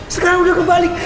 sekarang udah kebalik